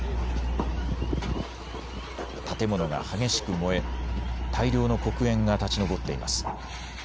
建物が激しく燃え、大量の黒煙が立ち上っています。